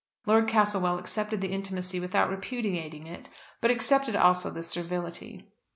Lord Castlewell accepted the intimacy without repudiating it, but accepted also the servility.